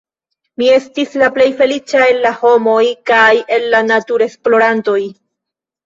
Mi estis la plej feliĉa el la homoj kaj el la naturesplorantoj!